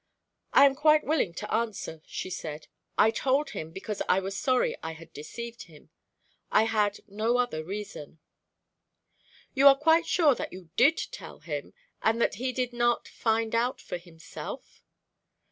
"I am quite willing to answer," she said. "I told him because I was sorry I had deceived him. I had no other reason." "You are quite sure that you did tell him, and that he did not find out for himself?"